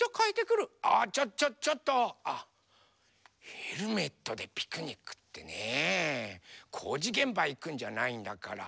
ヘルメットでピクニックってねこうじげんばいくんじゃないんだから。